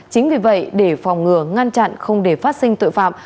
chính vì vậy để phòng ngừa ngăn chặn không để phát sinh tội phạm